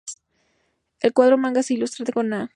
El cuarto manga se ilustra con Na!